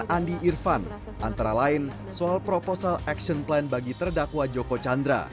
andi irfan mengatakan bisa menolong joko chandra